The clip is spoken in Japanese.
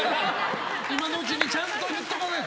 今のうちにちゃんと言っとかないと。